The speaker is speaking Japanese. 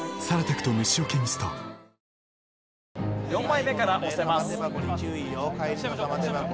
４枚目から押せます。